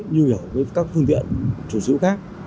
như hiểu với các phương tiện chủ sĩ khác